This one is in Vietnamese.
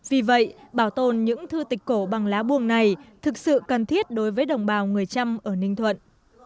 vì vậy bảo tồn những thư tịch cổ bằng lá buông này thực sự cần thiết đối với đồng bào người trăm ở ninh thuận